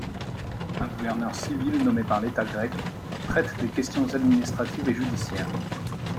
Un gouverneur civil nommé par l’État grec traite des questions administratives et judiciaires.